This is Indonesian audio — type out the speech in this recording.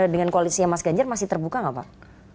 dengan koalisinya mas ganjar masih terbuka nggak pak